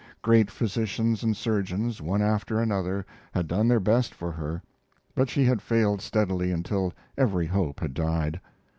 Great physicians and surgeons, one after another, had done their best for her but she had failed steadily until every hope had died.